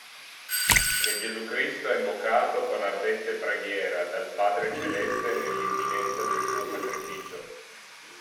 Che Gesù Cristo ha invocato con ardente preghiera dal Padre celeste nell'imminenza del suo sacrificio.